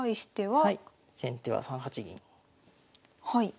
はい。